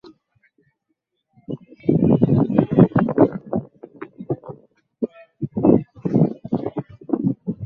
Ni njia endelevu ya kuwa na maisha kwa ujumla